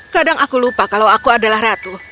kadang aku lupa kalau aku adalah ratu